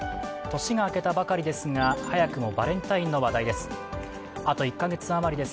年が明けたばかりですが、早くもバレンタインの話題です。